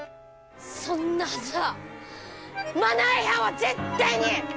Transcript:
そんなはずはマナー違反は絶対に。